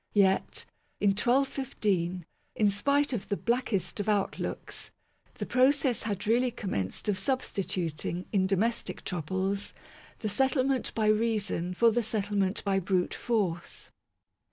Yet, in 1215, in spite of the blackest of MAGNA CARTA (1215 1915) 23 outlooks, the process had really commenced of sub stituting, in domestic troubles, the settlement by reason for the settlement by brute force.